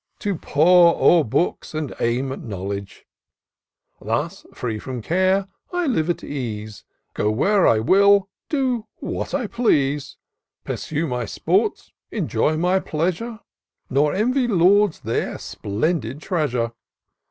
To pore o'er books and aim at knowledge : Thus free from care, I live at ease ; Go where I will, do what I please ; Pursue my sports, enjoy my pleasure. Nor envy lords their splendid treasure.